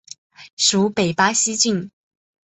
属北巴西郡。